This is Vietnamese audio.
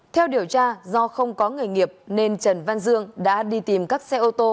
theo điều tra do không có nghề nghiệp nên trần văn dương đã đi tìm các xe ô tô